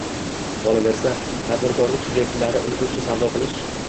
Qolaversa, tadbirkorlik sub’ektlari ulgurji savdo qilish